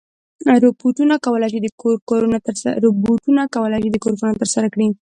روبوټونه کولی شي د کور کارونه ترسره کړي.